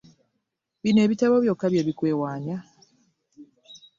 Bino ebitabo byokka bye bikwewaanya?